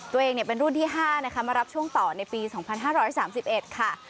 ตัวเองเป็นรุ่นที่๕นะคะมารับช่วงต่อในปี๒๕๓๑ค่ะ